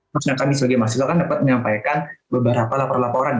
maksudnya kami sebagai masyarakat dapat menyampaikan beberapa laporan laporan